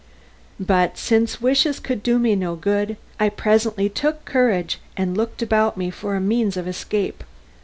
But since wishes could do me no good, I presently took courage and looked about me for a means of escape.